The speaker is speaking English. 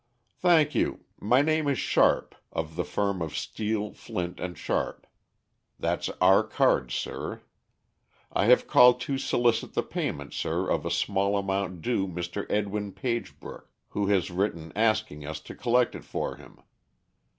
"Thank you. My name is Sharp, of the firm of Steel, Flint & Sharp. That's our card, sir. I have called to solicit the payment, sir, of a small amount due Mr. Edwin Pagebrook, who has written asking us to collect it for him.